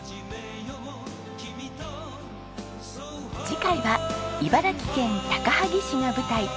次回は茨城県高萩市が舞台。